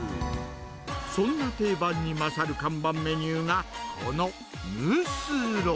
そんな定番に勝る看板メニューがこのムースーロー。